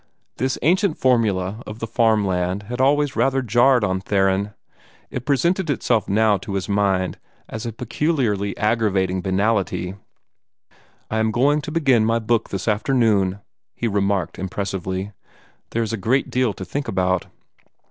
This ancient formula of the farm land had always rather jarred on Theron. It presented itself now to his mind as a peculiarly aggravating banality. "I am going to begin my book this afternoon," he remarked impressively. "There is a great deal to think about."